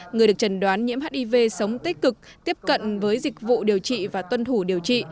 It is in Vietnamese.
người được trần đoán nhiễm hiv sống tích cực tiếp cận với dịch vụ điều trị và tuân thủ điều trị